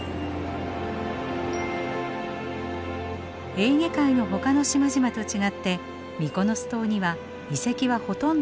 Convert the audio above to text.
エーゲ海のほかの島々と違ってミコノス島には遺跡はほとんどありません。